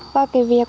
và cái việc